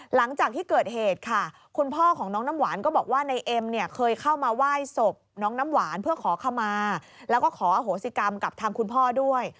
หลังจากที่เกิดเหตุค่ะคุณพ่อของน้องน้ำหวานก็บอกว่าในเอ็มเนี่ยเคยเข้ามาไหว้ศพน้องน้ำหวานเพื่อขอขมาแล้วก็ขออโหสิกรรมกับทางคุณพ่อด้วย